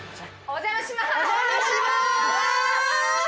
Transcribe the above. お邪魔します！